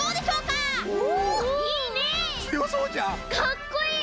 かっこいい！